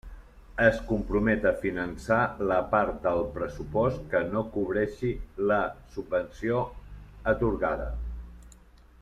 Es compromet a finançar la part del pressupost que no cobreixi la subvenció atorgada.